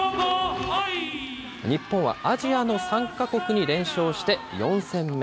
日本はアジアの３か国に連勝して４戦目。